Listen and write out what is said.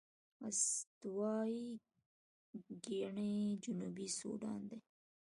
استوايي ګيني جنوبي سوډان دي.